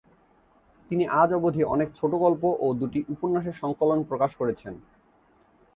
তিনি আজ অবধি অনেক ছোটগল্প ও দুটি উপন্যাসের সংকলন প্রকাশ করেছেন।